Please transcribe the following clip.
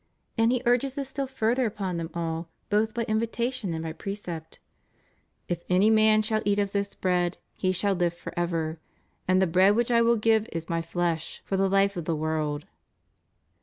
* And He urges this still further upon them all both by invitation and by precept: // any man shall eat of this bread, he shall live forever; and the bread which I will give is My flesh, for the life of the world.